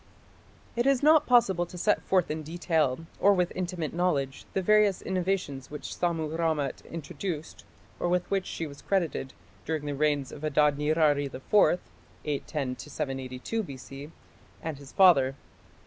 It is not possible to set forth in detail, or with intimate knowledge, the various innovations which Sammu rammat introduced, or with which she was credited, during the reigns of Adad nirari IV (810 782 B.C.) and his father.